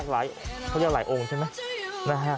เขาเรียกหลายองค์ใช่ไหม